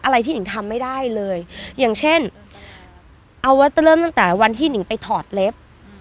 อะไรที่หนิงทำไม่ได้เลยอย่างเช่นเอาว่าจะเริ่มตั้งแต่วันที่หนิงไปถอดเล็บ